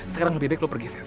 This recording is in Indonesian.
sekarang lebih baik lo pergi